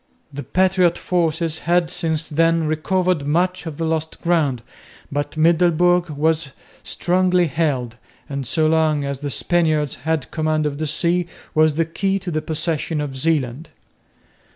The patriot forces had since then recovered much of the lost ground, but Middelburg was strongly held, and so long as the Spaniards had command of the sea, was the key to the possession of Zeeland.